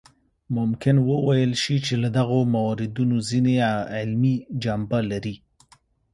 ممکن وویل شي چې له دغو موردونو ځینې علمي جنبه لري.